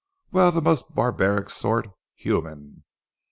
"Well, the most barbaric sort human.